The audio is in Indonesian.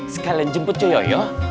sekalian jemput cuyo yo